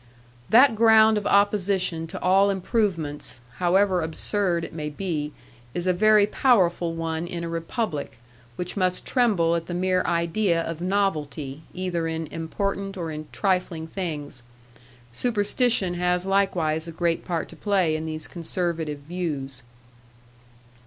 That ground of opposition to all improvements, however absurd it may be, is a very powerful one in a republic, which must tremble at the mere idea of novelty either in important or in trifling things. Superstition has likewise a great part to play in these conservative views.